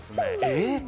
えっ